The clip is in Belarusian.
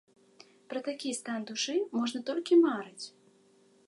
Пра такі стан душы можна толькі марыць!